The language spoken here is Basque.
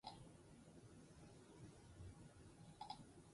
Bizitzan konpromiso zuzena eta zintzoa erakutsi zuena beti.